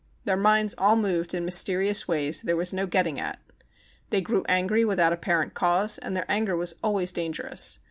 Their minds all moved in mysterious ways there was no getting at. They grew angry without apparent cause, and their anger was always dangerous.